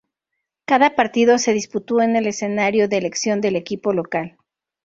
Cada partido se disputó en el escenario de elección del equipo local.